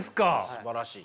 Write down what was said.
すばらしい。